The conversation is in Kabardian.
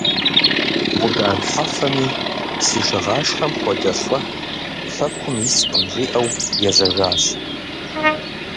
Мудар Хьэфэми: «Си шыгъашхэм хуэдэ лӀы мы хэкум искъым», – жиӀэу ежьэжащ.